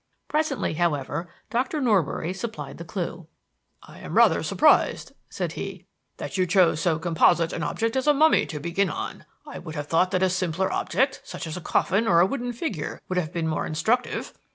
Presently, however, Dr. Norbury supplied the clue. "I am rather surprized," said he, "that you chose so composite an object as a mummy to begin on. I should have thought that a simpler object, such as a coffin or a wooden figure, would have been more instructive."